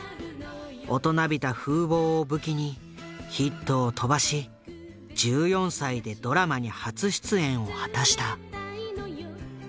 大人びた風貌を武器にヒットを飛ばし１４歳でドラマに初出演を果たした。